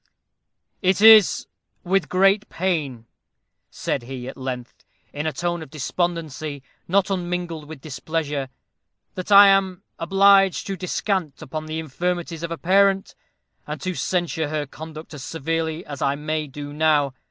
"It is with great pain," said he, at length, in a tone of despondency, not unmingled with displeasure, "that I am obliged to descant upon the infirmities of a parent, and to censure her conduct as severely as I may do now.